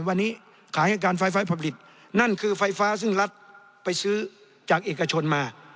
วันนี้ขายให้การไฟฟ้าผลิตนั่นคือไฟฟ้าซึ่งรัฐไปซื้อจากเอกชนมา